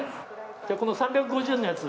じゃあこの３５０円のやつ。